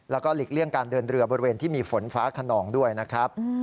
แล้วก็หลีกเลี่ยงการเดินเรือบริเวณที่มีฝนฟ้าขนองด้วยนะครับ